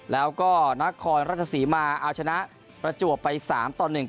แล้วก็นครรัชศรีมาเอาชนะประจวบไปสามต่อหนึ่ง